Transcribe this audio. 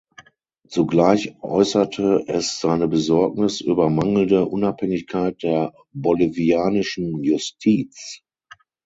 Zugleich äußerte es seine Besorgnis über mangelnde Unabhängigkeit der bolivianischen Justiz.